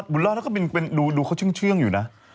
บุญลอดเนี่ยก็ดูเขาชื่องอยู่นะ